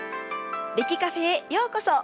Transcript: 歴Ｃａｆｅへようこそ。